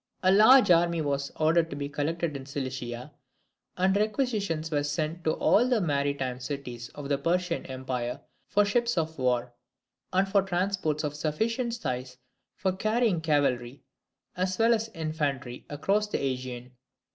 A larger army was ordered to be collected in Cilicia; and requisitions were sent to all the maritime cities of the Persian empire for ships of war, and for transports of sufficient size for carrying cavalry as well as infantry across the AEgean.